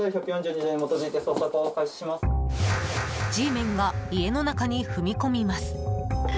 Ｇメンが家の中に踏み込みます。